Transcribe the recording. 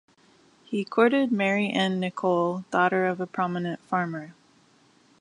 He courted Mary Ann Nicol, daughter of a prominent farmer.